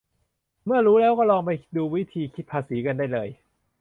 เมื่อรูัแล้วก็ลองไปดูวิธีคิดภาษีกันได้เลย